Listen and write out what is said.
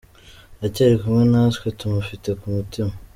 Aracyari kumwe natwe, tumufite ku mutima.